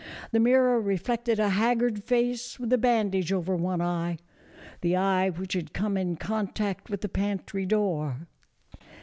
The mirror reflected a haggard face with a bandage over one eye the eye which had come in contact with the pantry door.